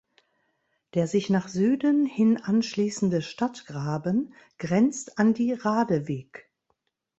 Der sich nach Süden hin anschließende Stadtgraben grenzt an die Radewig.